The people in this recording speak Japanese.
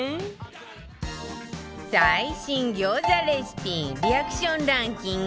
最新餃子レシピリアクションランキング